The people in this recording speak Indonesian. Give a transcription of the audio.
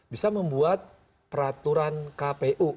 bisa membuat peraturan kpu